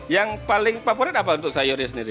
yang paling favorit apa untuk sayurnya sendiri